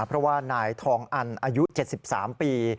เพราะว่านายทองอันอายุ๗๓ปี